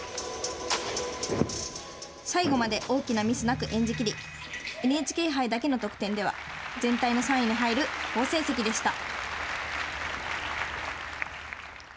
最後まで大きなミスなく演じ切りＮＨＫ杯だけの得点では全体の３位に入る好成績でした。